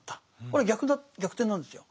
これ逆転なんですよ。